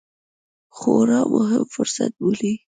خورا مهم فرصت بولي